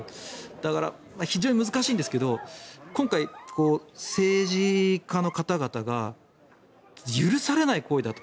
だから、非常に難しいんですけど今回、政治家の方々が許されない行為だと。